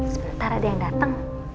sebentar ada yang dateng